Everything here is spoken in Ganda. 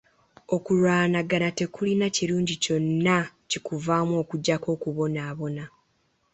Okulwanagana tekulina kirungi kyonna kikuvaamu okuggyako okubonaabona.